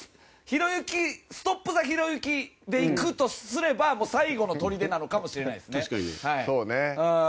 ストップザひろゆきでいくとすれば最後の砦なのかもしれないですね。